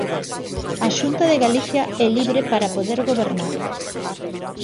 A Xunta de Galicia é libre para poder gobernar.